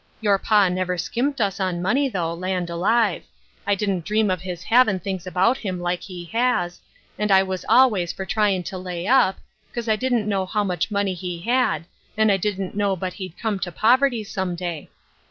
Your pa never skimped us on money, though, land alive I I didn't dream of his havin' things about him like he has, and I was always for tryin' to lay up, 'cause I didn't know how much money he had, and I didn't know but he'd come to poverty some day.